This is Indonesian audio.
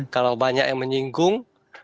kalau banyak yang menyinggung